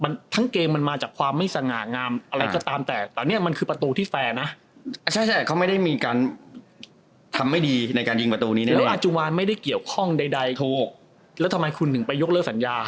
แล้วทำไมคุณถึงไปยกเลิกสัญญา